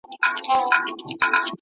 بوډا کیسې په دې قلا کي د وختونو کوي.